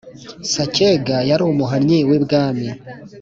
Sacyega yari umuhannyi w'ibwami